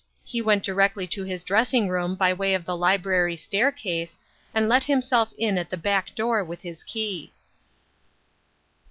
He went directly to his dressing room by way of the library stair case, and let himself in at the back door with his key.